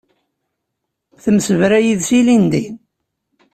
Temsebra yid-s ilindi.